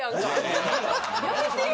やめてよ。